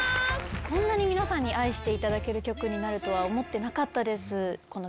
こんな皆さんに愛していただける曲になるとは思ってなかったです。